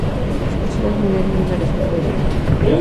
Tres personas murieron y una resultó herida.